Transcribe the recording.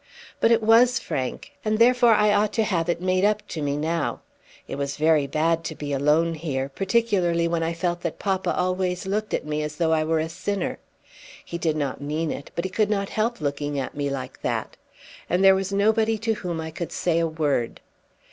"But it was, Frank; and therefore I ought to have it made up to me now. It was very bad to be alone here, particularly when I felt that papa always looked at me as though I were a sinner. He did not mean it, but he could not help looking at me like that. And there was nobody to whom I could say a word."